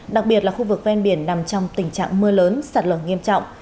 đặc biệt là khu vực ven biển nằm trong tình trạng mưa lớn sạt lở nghiêm trọng